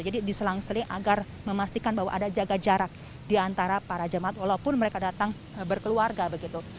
diselang seling agar memastikan bahwa ada jaga jarak di antara para jemaat walaupun mereka datang berkeluarga begitu